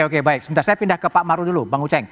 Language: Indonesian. oke baik sebentar saya pindah ke pak maru dulu